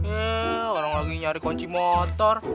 ya orang lagi nyari kunci motor